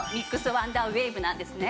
ワンダーウェーブなんですね。